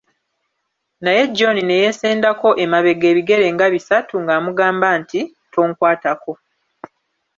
Naye John ne yeesendako emabega ebigere nga bisatu ng'amugamba nti Tonkwatako!